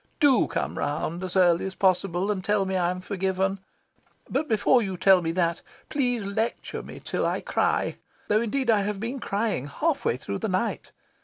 DO come round as early as possible and tell me I am forgiven. But before you tell me that, please lecture me till I cry though indeed I have been crying half through the night.